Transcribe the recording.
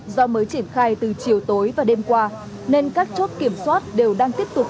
do mới triển khai từ chiều tối và đêm qua nên các chốt kiểm soát đều đang tiếp tục